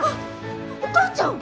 お母ちゃん！